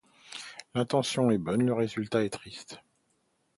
L’intention est bonne, le résultat est triste.